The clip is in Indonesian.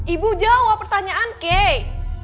ibu jawab pertanyaan kay